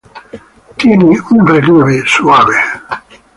Tiene un relieve suave.